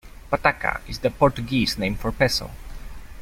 "Pataca" is the Portuguese name for peso.